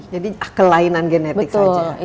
jadi kelainan genetik saja